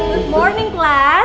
selamat pagi kelas